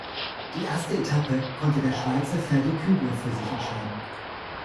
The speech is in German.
Die erste Etappe konnte der Schweizer Ferdy Kübler für sich entscheiden.